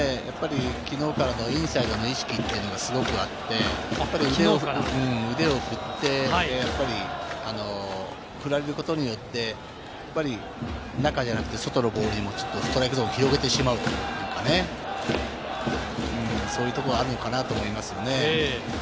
きのうからのインサイドの意識というのがすごくあって、腕を振って、振られることによって、中じゃなくて外のボールにもちょっとストライクゾーンを広げてしまうというかね、そういうところがあるのかなと思いますね。